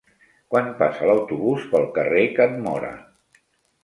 Quan passa l'autobús pel carrer Can Móra?